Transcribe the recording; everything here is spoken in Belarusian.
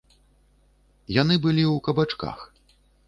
Яны былі ў кабачках!